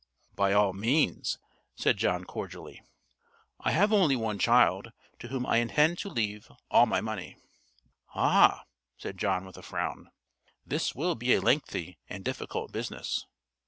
"By all means," said John cordially. "I have only one child, to whom I intend to leave all my money." "Ha!" said John, with a frown. "This will be a lengthy and difficult business."